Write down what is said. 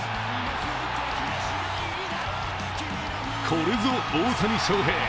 これぞ大谷翔平。